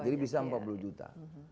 jadi bisa empat puluh juta